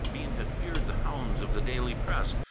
Bean had feared the hounds of the daily press.